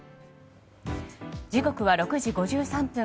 時刻は６時５３分。